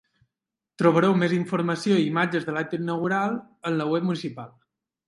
Trobareu més informació i imatges de l’acte inaugural en la web municipal.